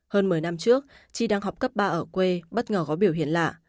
hơn một mươi năm trước chi đang học cấp ba ở quê bất ngờ có biểu hiện lạ